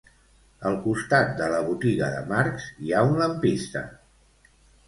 Al costat de la botiga de marcs hi ha un lampista